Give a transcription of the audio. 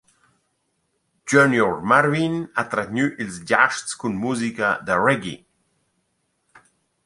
Junior Marvin ha tratgnü ils giasts cun musica da reggae.